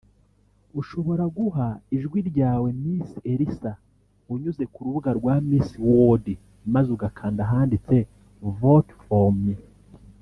ushobora guha ijwi ryawe Miss Elsa unyuze ku rubuga rwa Miss World maze ugakanda ahanditse “Vote For Me”